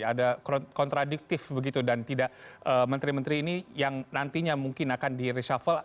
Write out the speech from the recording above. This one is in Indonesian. ada kontradiktif begitu dan tidak menteri menteri ini yang nantinya mungkin akan di reshuffle